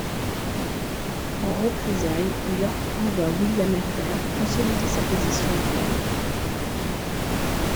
En représailles, York envoie William Herbert consolider sa position en Galles.